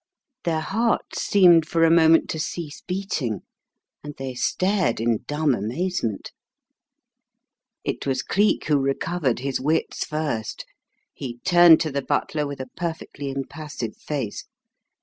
Their hearts seemed for a moment to cease beating and they stared in dumb amazement. It was Cleek who recovered his wits first. He turned to the butler with a perfectly impassive face.